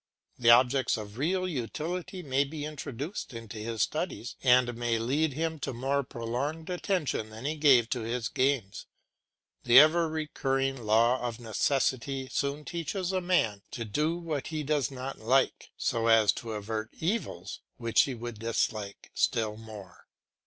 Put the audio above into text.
The objects of real utility may be introduced into his studies and may lead him to more prolonged attention than he gave to his games. The ever recurring law of necessity soon teaches a man to do what he does not like, so as to avert evils which he would dislike still more.